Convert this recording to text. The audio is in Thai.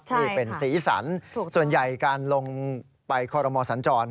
นี่เป็นสีสันส่วนใหญ่การลงไปคอรมอสัญจร